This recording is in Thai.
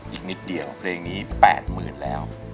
อีกนิดเดียวเพลงนี้๘๐๐๐แล้ว